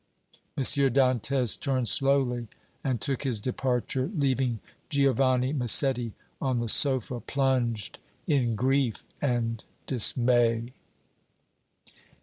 M. Dantès turned slowly and took his departure, leaving Giovanni Massetti on the sofa plunged in grief and dismay.